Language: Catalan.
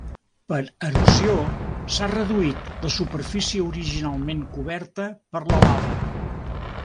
Per erosió s'ha reduït la superfície originalment coberta per la lava.